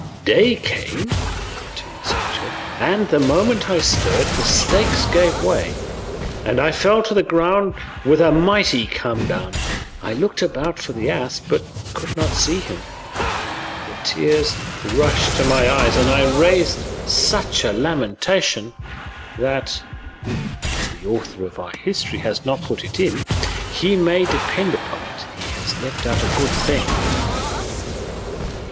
"Day came," continued Sancho, "and the moment I stirred the stakes gave way and I fell to the ground with a mighty come down; I looked about for the ass, but could not see him; the tears rushed to my eyes and I raised such a lamentation that, if the author of our history has not put it in, he may depend upon it he has left out a good thing.